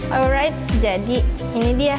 alright jadi ini dia